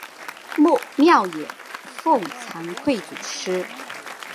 庙也供俸惭愧祖师。